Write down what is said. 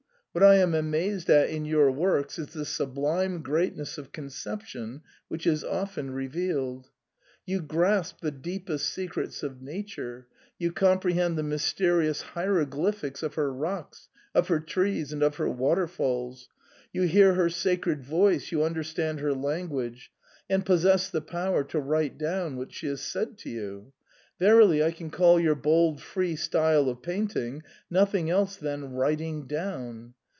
What I am amazed at in your works is the sublime greatness of conception which is often revealed. You grasp the deepest secrets of Nature : you comprehend the mysterious hieroglyphics of her rocks, of her trees, and of her waterfalls, you hear her sacred voice, you understand her language, and possess the power to write down what she has said to you. Verily I can call your bold free style of painting nothing else than writing down.